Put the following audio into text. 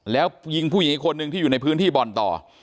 แล้วยิงผู้หญิงอีกคนนึงที่อยู่ในพื้นที่บ่อนต่อ